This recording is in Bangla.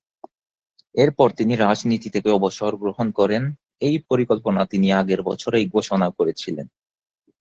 এরপর তিনি রাজনীতি থেকে অবসর গ্রহণ করেন, এই পরিকল্পনা তিনি আগের বছরেই ঘোষণা করেছিলেন।